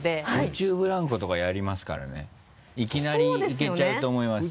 空中ブランコとかやりますからねいきなりいけちゃうと思います。